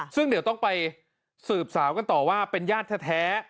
ซึ่งเดี๋ยวต้องไปสืบสาวกันต่อว่าเป็นญาติแท้